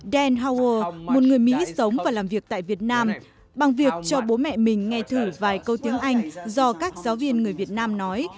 den hougher một người mỹ sống và làm việc tại việt nam bằng việc cho bố mẹ mình nghe thử vài câu tiếng anh do các giáo viên người việt nam nói